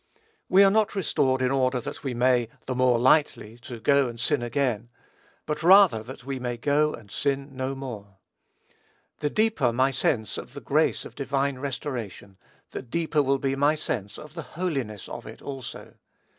We are not restored in order that we may, the more lightly, go and sin again, but rather that we may "go and sin no more." The deeper my sense of the grace of divine restoration, the deeper will be my sense of the holiness of it also.